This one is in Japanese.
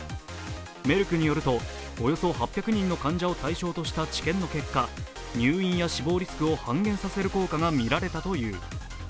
メルクによるとおよそ８００人の患者を対象とした治験の結果、入院や死亡リスクを半減する効果が見られたという。